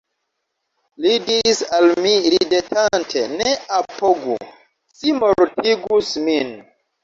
Li diris al mi ridetante: «Ne apogu, ci mortigus min».